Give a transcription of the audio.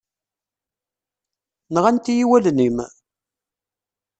Nɣant-iyi wallen-im?